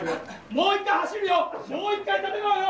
もう一回戦うよ！